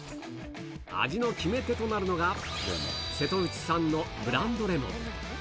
味の決め手となるのが、瀬戸内産のブランドレモン。